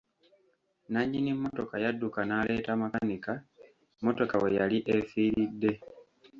Nannyini mmotoka yadduka n'aleeta makanika mmotoka we yali efiiridde.